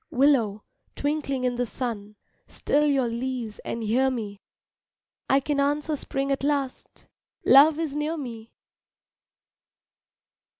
Willow, twinkling in the sun, Still your leaves and hear me, I can answer spring at last, Love is near me!